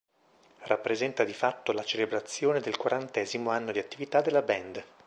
Rappresenta di fatto la celebrazione del quarantesimo anno di attività della band.